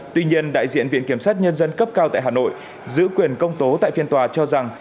tuy nhiên đại diện viện kiểm sát nhân dân cấp cao tại hà nội giữ quyền công tố tại phiên tòa cho rằng